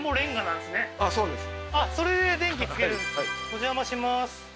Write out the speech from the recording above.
お邪魔しまーす